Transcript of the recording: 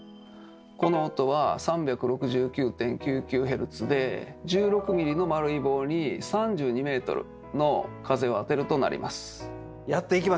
この音は３６９．９９Ｈｚで１６ｍｍの丸い棒に３２ｍの風を当てるとなります。